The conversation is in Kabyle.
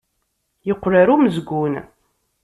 Yeqqel ɣer umezgun.